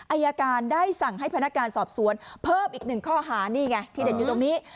อายการได้สั่งให้พนักการสอบสวนเพิ่มอีกหนึ่งข้อหานี่ไงที่เด็ดอยู่ตรงนี้